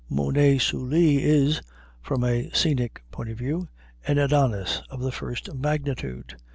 Mounet Sully is, from the scenic point of view, an Adonis of the first magnitude.